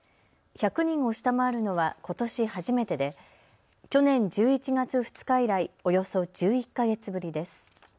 １００人を下回るのはことし初めてで去年１１月２日以来、およそ１１か月ぶりです。